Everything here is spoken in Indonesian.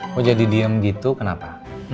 mau jadi diem gitu kenapa